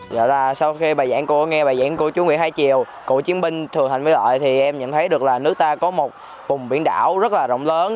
dạ là sau khi bài giảng của nghe bài giảng của chú nguyễn hai triều cựu chiến binh thường hành với lợi thì em nhận thấy được là nước ta có một vùng biển đảo rất là rộng lớn